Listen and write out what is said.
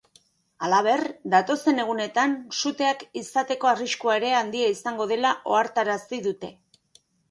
Halaber, datozen egunetan suteak izateko arriskua ere handia izango dela ohartarazi dute.